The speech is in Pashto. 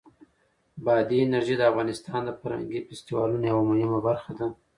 بادي انرژي د افغانستان د فرهنګي فستیوالونو یوه مهمه برخه ده.